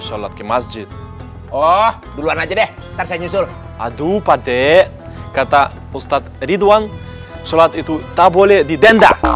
sholat ke masjid oh duluan aja deh aduh pada kata ustad ridwan sholat itu tak boleh didenda